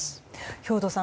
兵頭さん